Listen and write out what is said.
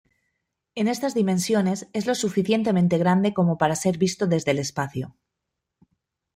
En estas dimensiones, es lo suficientemente grande como para ser visto desde el espacio.